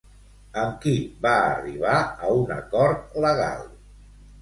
Amb qui va arribar a un acord legal?